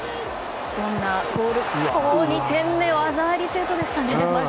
２点目は技ありシュートでしたね。